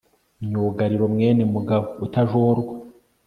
myugariro mwene mugabo utajorwa